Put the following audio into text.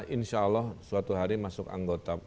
insya allah suatu hari masuk anggota